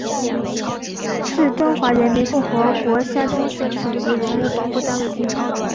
是中华人民共和国山东省省级文物保护单位之一。